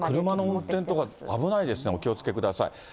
車の運転とか危ないですね、お気をつけください。